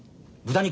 豚肉。